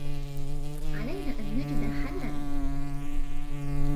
علينا أن نجد حلاّ.